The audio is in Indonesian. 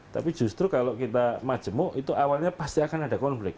tapi justru kalau kita majemuk itu awalnya pasti akan ada konflik